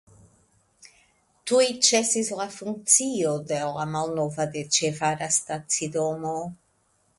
Tuj ĉesis la funkcio de la malnova de ĉe Vara stacidomo.